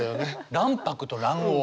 卵白と卵黄。